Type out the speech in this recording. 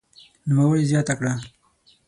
نوموړي زياته کړه